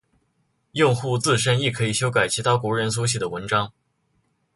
用户自身亦可以修改其他国人所写的文章。